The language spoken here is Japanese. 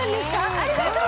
⁉ありがとう！